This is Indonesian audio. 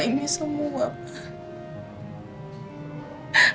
ini semua pak